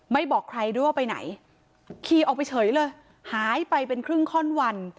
บอกใครด้วยว่าไปไหนขี่ออกไปเฉยเลยหายไปเป็นครึ่งข้อนวัน